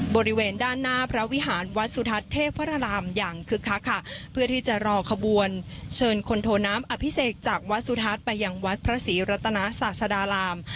บริเวณด้านหน้าพระวิหารวัดสุทัศน์เทพพระรามอย่างคึกคักค่ะเพื่อที่จะรอขบวนเชิญคนโทน้ำอภิเษกจากวัดสุทัศน์ไปยังวัดพระศรีรัตนาศาสดาราม